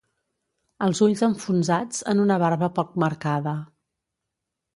Els ulls enfonsats en una barba poc marcada.